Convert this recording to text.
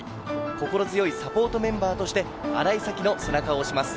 心強いサポートメンバーとして新井沙希の背中を押します。